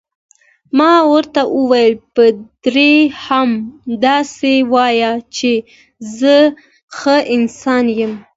ما ورته وویل: پادري هم همداسې وایي چې زه ښه انسان یم.